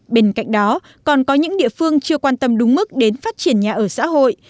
bên cạnh đó còn có những địa phương chưa quan tâm đúng mức đến phát triển nhà ở xã hội